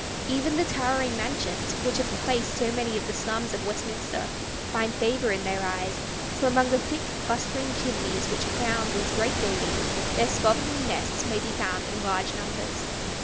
Even the towering mansions which have replaced so many of the slums of Westminster find favor in their eyes, for among the thick clustering chimneys which crown these great buildings their slovenly nests may be found in large numbers.